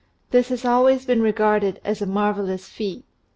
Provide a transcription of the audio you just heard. This has always been regarded as a marvelous feat.